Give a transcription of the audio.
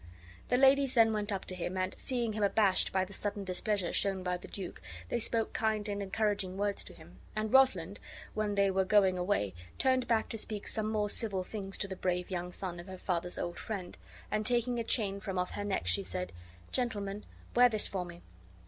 The ladies then went up to him and, seeing him abashed by the sudden displeasure shown by the duke, they spoke kind and encouraging words to him; and Rosalind, when they were going away, turned back to speak some more civil things to the brave young son of her father's old friend, and taking a chain from off her neck, she said: "Gentleman, wear this for me.